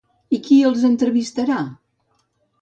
I qui els entrevistarà?